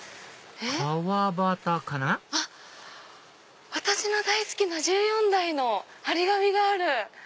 あっ私の大好きな「十四代」の張り紙がある。